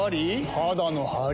肌のハリ？